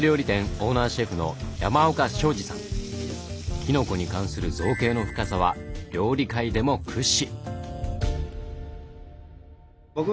きのこに関する造詣の深さは料理界でも屈指。